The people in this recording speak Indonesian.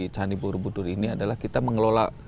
candi borobudur ini adalah kita mengelola